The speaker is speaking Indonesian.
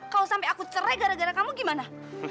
kalo sampe aku cerai gara gara kamu gimana